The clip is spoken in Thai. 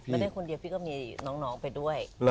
ไม่ได้คนเดียวพี่ก็มีน้องไปด้วย